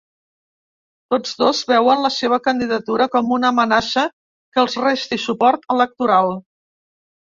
Tots dos veuen la seva candidatura com una amenaça que els resti suport electoral.